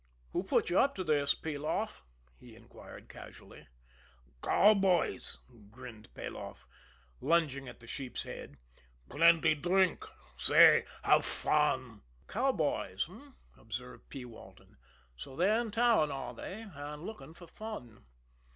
"Who put you up to this, Peloff?" he inquired casually. "Cowboys," grinned Peloff, lunging at the sheep's head. "Plenty drink. Say have fun." "The cowboys, eh?" observed P. Walton. "So they're in town, are they and looking for fun?"